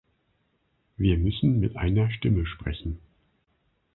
Wir müssen mit einer Stimme sprechen.